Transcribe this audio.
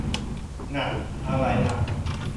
ง่ะ อะไรอ่ะ